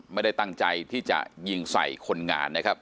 ไม่ได้ตั้งใจที่จะยิงใส่คนงาน